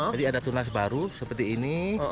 jadi ada tunas baru seperti ini